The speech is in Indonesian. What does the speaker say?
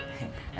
iya mas pui